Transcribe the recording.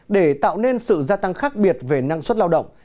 để tạo nên sự gia tăng khác biệt về năng suất lao động